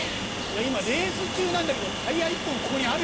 今レース中なんだけどタイヤ１本ここにあるよ？